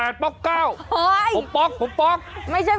ไม่เป็นเขินไม่จริง